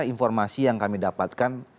informasi yang kami dapatkan